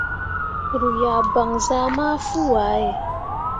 Ru yah gbanzah mafuu ah ye.